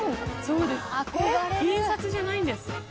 そうです印刷じゃないんです。